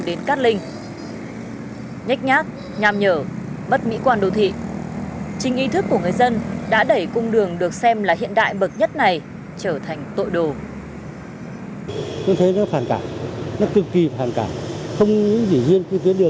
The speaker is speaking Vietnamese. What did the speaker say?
điều này đã trực tiếp làm ảnh hưởng tới mỹ quan đô thị của thủ đô